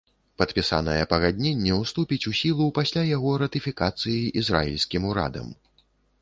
Падпісанае пагадненне ўступіць у сілу пасля яго ратыфікацыі ізраільскім урадам.